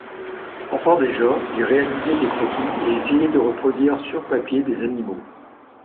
Enfant déjà, il réalisait des croquis et essayait de reproduire sur papier des animaux.